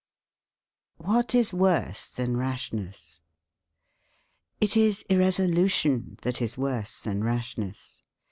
WHAT IS WORSE THAN RASHNESS It is irresolution that is worse than rashness.